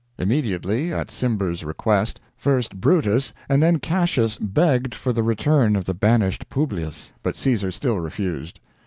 Immediately, at Cimber's request, first Brutus and then Cassias begged for the return of the banished Publius; but Caesar still refused.